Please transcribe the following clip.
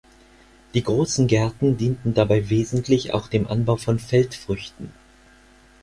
Die großen Gärten dienten dabei wesentlich auch dem Anbau von Feldfrüchten.